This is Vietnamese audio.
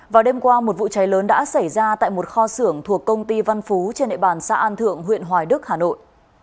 vào đêm qua một vụ cháy lớn đã xảy ra tại một kho xưởng thuộc công ty văn phú trên nệ bàn xã an thượng huyện hoài đức hà nội